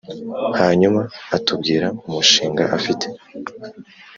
hanyuma atubwira umushinga afite